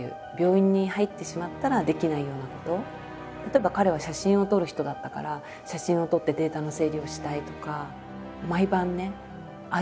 例えば彼は写真を撮る人だったから写真を撮ってデータの整理をしたいとか。